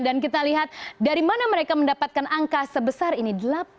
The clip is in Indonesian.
dan kita lihat dari mana mereka mendapatkan angka sebesar ini